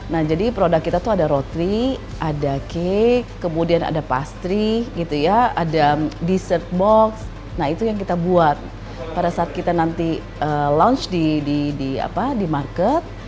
nah jadi produk kita tuh ada roti ada cake kemudian ada pastry gitu ya ada dessert box nah itu yang kita buat pada saat kita nanti launch di market